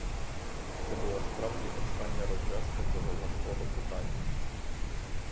Це була справді остання розв'язка цього важкого питання.